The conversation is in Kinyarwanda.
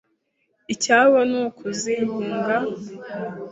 Icyabo ni ukuzihunga mwo